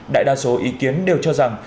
đại đa số ý kiến đều cho rằng